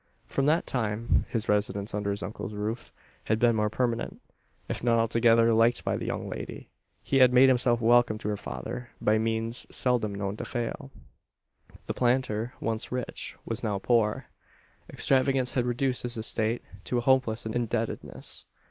From that time his residence under his uncle's roof had been more permanent. If not altogether liked by the young lady, he had made himself welcome to her father, by means seldom known to fail. The planter, once rich, was now poor. Extravagance had reduced his estate to a hopeless indebtedness.